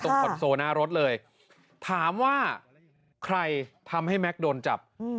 ตรงตอนโซนหน้ารถเลยถามว่าใครทำให้แม็กโดนจับอืม